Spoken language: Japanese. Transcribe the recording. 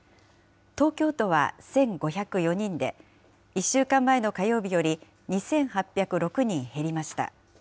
東京都は１５０４人で、１週間前の火曜日より２８０６人減りました。